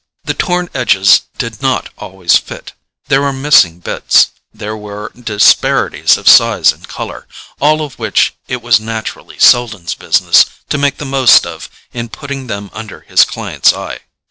The torn edges did not always fit—there were missing bits, there were disparities of size and colour, all of which it was naturally Selden's business to make the most of in putting them under his client's eye.